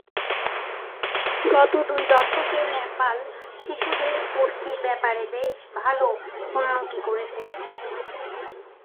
গত দুই দশকে নেপাল শিশুদের পুষ্টির ব্যাপারে বেশ ভাল উন্নতি করেছে।